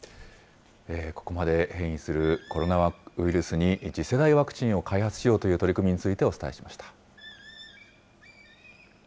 ここまで変異するコロナウイルスに次世代ワクチンを開発しようという取り組みについてお伝えしました。